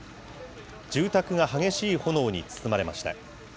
住宅が激しい炎に包まれました。